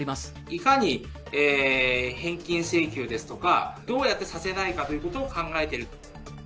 いかに返金請求ですとか、どうやってさせないかということを考えてると。